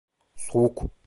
Soğuk.